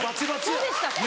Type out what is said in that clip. そうでしたっけ？